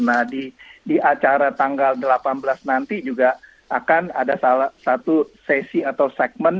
nah di acara tanggal delapan belas nanti juga akan ada satu sesi atau segmen